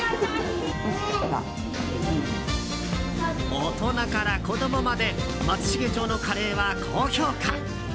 大人から子供まで松茂町のカレーは高評価。